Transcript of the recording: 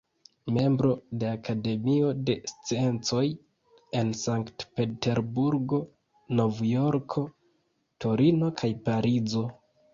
Membro de Akademio de Sciencoj en Sankt-Peterburgo, Nov-Jorko, Torino kaj Parizo.